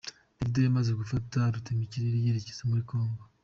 Davido yamaze gufata rutema ikirere yerekeza muri Congo.